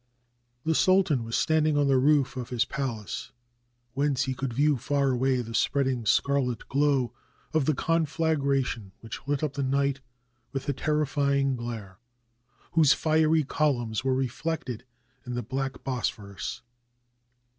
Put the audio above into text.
] The sultan was standing on the roof of his palace, whence he could view far away the spreading scarlet glow of the conflagration which lit up the night with a terrifying glare, whose fiery columns were reflected in the black Bosphorus.